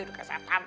udah kayak setan